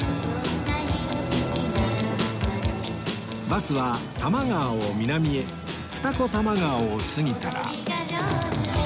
バスは多摩川を南へ二子玉川を過ぎたら